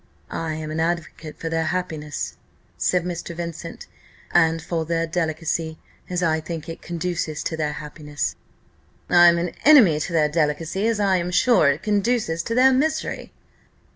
"I am an advocate for their happiness," said Mr. Percival, "and for their delicacy, as I think it conduces to their happiness." "I'm an enemy to their delicacy, as I am sure it conduces to their misery."